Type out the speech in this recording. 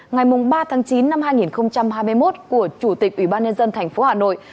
ngày ba tháng chín năm hai nghìn hai mươi một của chủ tịch ủy ban nhân dân thành phố hà nội